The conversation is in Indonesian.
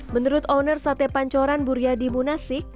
menurut owner sate pancoran buryadi munasik